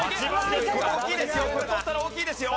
これ大きいですよ。